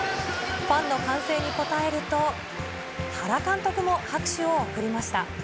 ファンの歓声に応えると、原監督も拍手を送りました。